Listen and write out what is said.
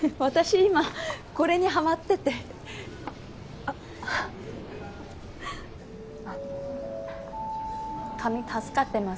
今これにハマっててあっあっ髪助かってます